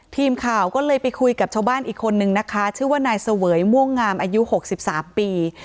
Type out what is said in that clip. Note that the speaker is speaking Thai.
ทีมข่าวก็เลยไปคุยกับชาวบ้านอีกคนนึงนะคะชื่อว่านายเสวยม่วงงามอายุ๖๓ปี